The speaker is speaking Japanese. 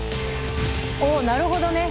おなるほどね！